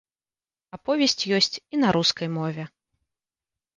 Аповесць ёсць і на рускай мове.